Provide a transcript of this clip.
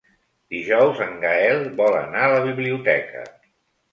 Dijous en Gaël vol anar a la biblioteca.